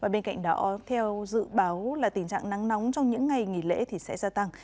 bên cạnh đó theo dự báo là tình trạng nắng nóng trong những ngày nghỉ lễ sẽ gia tăng